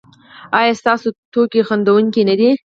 ایا ستاسو ټوکې خندونکې نه دي؟